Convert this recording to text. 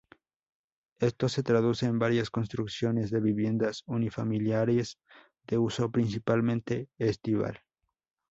Esto se traduce en varias construcciones de viviendas unifamiliares de uso, principalmente, estival.